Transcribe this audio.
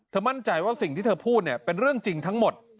มั่นใจว่าสิ่งที่เธอพูดเนี่ยเป็นเรื่องจริงทั้งหมด